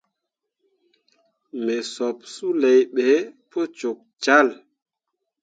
Me sup suley ɓe pu cok cahl.